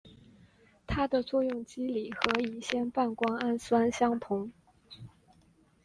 它的作用机理和乙酰半胱氨酸相同。